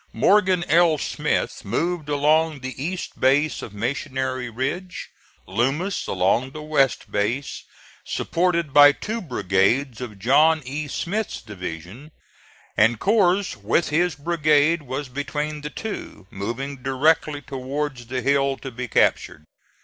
Morgan L. Smith moved along the east base of Missionary Ridge; Loomis along the west base, supported by two brigades of John E. Smith's division; and Corse with his brigade was between the two, moving directly towards the hill to be captured.